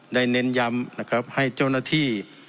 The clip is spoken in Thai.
ได้เน้นยำให้เจ้าหน้าที่